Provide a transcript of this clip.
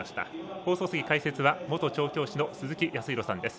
放送席、解説は元調教師の鈴木康弘さんです。